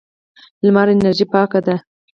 لمر انرژي پاکه ده.